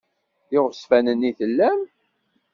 D iɣezfanen i tellam?